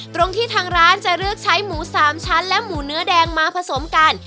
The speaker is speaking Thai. ตรงที่ทางร้านจะเลือกใช้หมู๓ชั้นและหมูเนื้อแดงมาผสมกัน